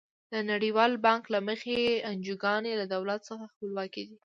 د نړیوال بانک له مخې انجوګانې له دولت څخه خپلواکې دي.